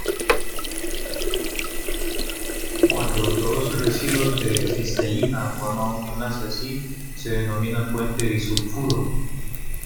Cuando dos residuos de cisteína forman un enlace así, se denomina puente disulfuro.